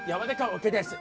ＯＫです。